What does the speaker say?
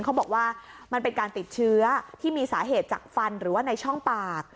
เขาบอกว่ามันเป็นการติดเชื้อที่มีสาเหตุจากฟันหรือว่าในช่องปาก